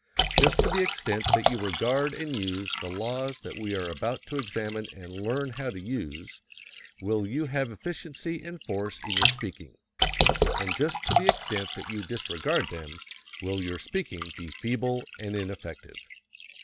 Just to the extent that you regard and use the laws that we are about to examine and learn how to use will you have efficiency and force in your speaking; and just to the extent that you disregard them will your speaking be feeble and ineffective.